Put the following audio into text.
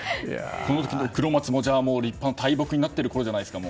黒松も立派な大木になっているころじゃないですか。